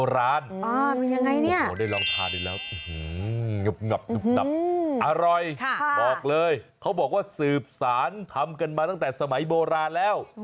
ร้านบอกเลยเขาบอกว่าสืบสารทำกันมาตั้งแต่สมัยโบราณแล้ว